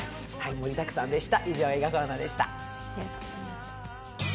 盛りだくさんでした。